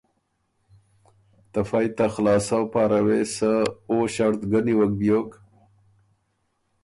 ته فئ ته خلاصؤ پاره وې سه او ݭړط ګه نیوک بیوک